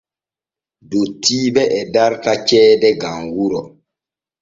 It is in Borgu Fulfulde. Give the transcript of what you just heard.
Dottiiɓe e darta ceede gam wuro.